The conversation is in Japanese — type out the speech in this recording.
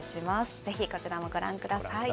ぜひ、こちらもご覧ください。